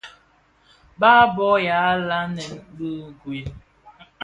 Bàb bôg yàa lanën bi ngüel.